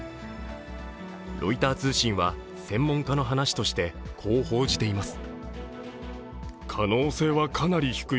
ロイター通信は専門家の話としてこう報じています。